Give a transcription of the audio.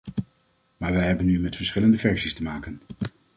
Maar wij hebben nu met verschillende versies te maken.